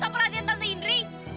sama perhatian tante indri